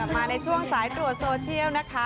มาในช่วงสายตรวจโซเชียลนะคะ